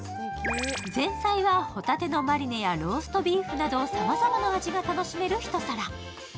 前菜はホタテのマリネやローストビーフなどさまざまな味が楽しめるひと皿。